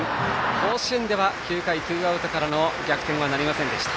甲子園では９回ツーアウトからの逆転はなりませんでした。